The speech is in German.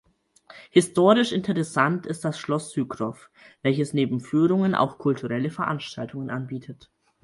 Historisch interessant ist das Schloss Sychrov, welches neben Führungen auch kulturelle Veranstaltung anbietet.